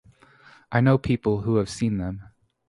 I know people who have seen them.